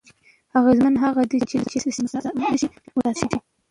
اغېزمن هغه دی چې له څه شي متأثر شي.